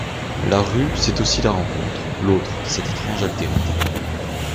La rue, c’est aussi la rencontre, l’autre, cette étrange altérité.